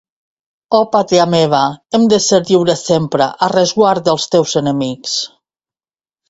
Oh pàtria meva, hem de ser lliures sempre, a resguard dels teus enemics!